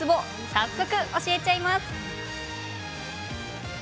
早速、教えちゃいます。